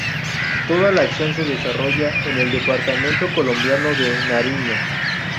Toda la acción se desarrolla en el departamento colombiano de Nariño.